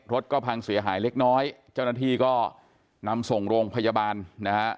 รถก็พังเสียหายเล็กน้อยเจ้าหน้าที่ก็นำส่งโรงพยาบาลนะฮะ